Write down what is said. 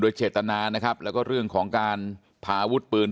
เจตนานะครับแล้วก็เรื่องของการพาอาวุธปืน